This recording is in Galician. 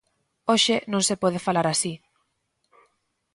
Hoxe non se pode falar así.